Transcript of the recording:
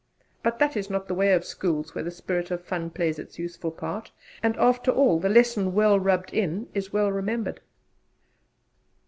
But that is not the way of schools where the spirit of fun plays its useful part; and, after all, the lesson well 'rubbed in' is well remembered.